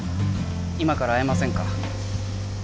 今から会えませんか？